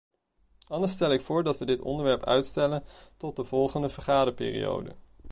Anders stel ik voor dat we dit onderwerp uitstellen tot de volgende vergaderperiode.